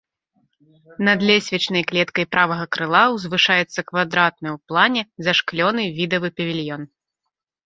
Над лесвічнай клеткай правага крыла ўзвышаецца квадратны ў плане зашклёны відавы павільён.